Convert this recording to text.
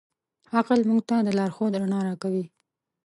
عقل موږ ته د لارښود رڼا راکوي.